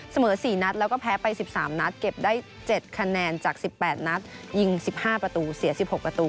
เสมอ๔นัดแล้วก็แพ้ไป๑๓นัดเก็บได้๗คะแนนจาก๑๘นัดยิง๑๕ประตูเสีย๑๖ประตู